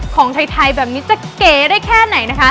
ของไทยแบบนี้จะเก๋ได้แค่ไหนนะคะ